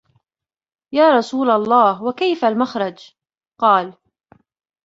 يَا رَسُولَ اللَّهِ وَكَيْفَ الْمَخْرَجُ ؟ قَالَ